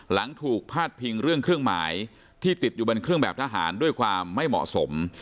หลังถูกพาดพิงเรื่องเครื่องหมายที่ติดอยู่บนเครื่องแบบทหารด้วยความไม่เหมาะสม